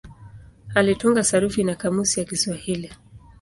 Alitunga sarufi na kamusi ya Kiswahili.